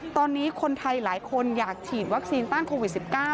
ตอนนี้คนไทยหลายคนอยากฉีดวัคซีนต้านโควิด๑๙